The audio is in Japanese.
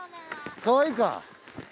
かわいいか？